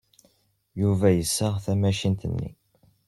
Yuba yessaɣ tamacint-nni.